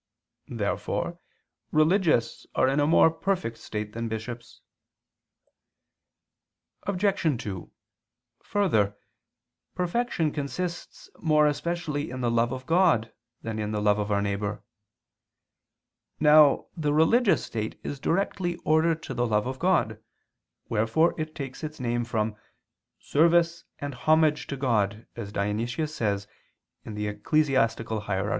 Therefore religious are in a more perfect state than bishops. Obj. 2: Further, perfection consists more especially in the love of God than in the love of our neighbor. Now the religious state is directly ordered to the love of God, wherefore it takes its name from "service and homage to God," as Dionysius says (Eccl. Hier.